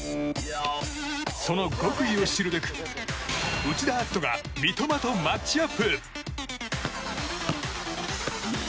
その極意を知るべく内田篤人が三笘とマッチアップ！